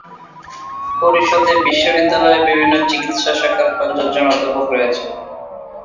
পরিষদে বিশ্ববিদ্যালয়ের বিভিন্ন চিকিৎসা শাখার পঞ্চাশ জন অধ্যাপক রয়েছেন।